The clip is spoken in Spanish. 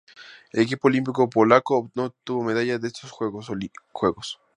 El equipo olímpico polaco no obtuvo ninguna medalla en estos Juegos.